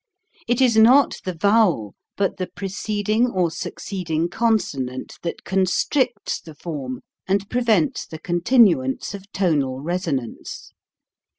It is not the vowel, but the preceding or succeeding consonant that constricts the form and prevents the continu ance of tonal resonance.